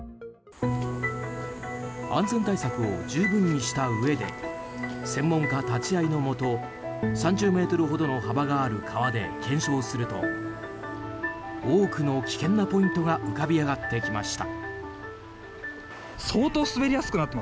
安全対策を十分にしたうえで専門家立ち会いのもと３０ｍほどの幅がある川で検証すると多くの危険なポイントが浮かび上がってきました。